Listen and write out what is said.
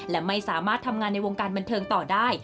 และไม่สามารถทำงานในวงการบันเทิงต่อได้